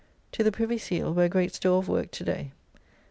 To the Privy Seal, where great store of work to day.